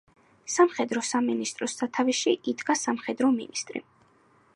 სამხედრო სამინისტროს სათავეში იდგა სამხედრო მინისტრი.